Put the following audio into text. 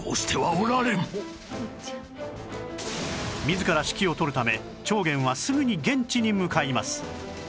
自ら指揮を執るため重源はすぐに現地に向かいます